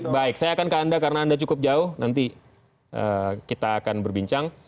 baik saya akan ke anda karena anda cukup jauh nanti kita akan berbincang